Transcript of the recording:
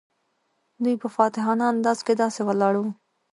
دوی په فاتحانه انداز کې داسې ولاړ وو.